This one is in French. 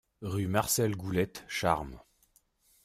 Rue Marcel Goulette, Charmes